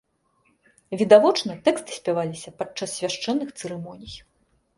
Відавочна, тэксты спяваліся падчас свяшчэнных цырымоній.